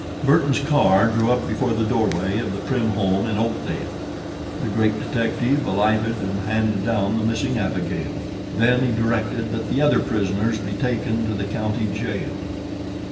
Burton's car drew up before the doorway of the Prim home in Oakdale. The great detective alighted and handed down the missing Abigail. Then he directed that the other prisoners be taken to the county jail.